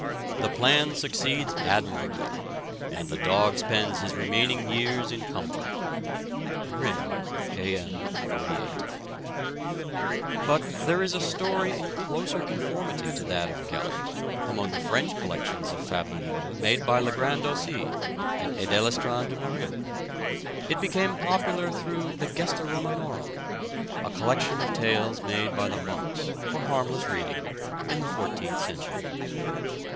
The plan succeeds admirably, and the dog spends his remaining years in comfort. (Grimm, K. M. 48.) But there is a story in closer conformity to that of Gellert among the French collections of fabliaux made by Le Grand d'Aussy and Edéléstand du Méril. It became popular through the "Gesta Romanorum," a collection of tales made by the monks for harmless reading, in the fourteenth century.